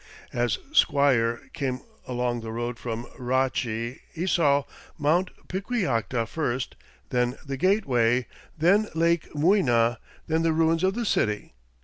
As Squier came along the road from Racche he saw Mt. Piquillacta first, then the gateway, then Lake Muyna, then the ruins of the city.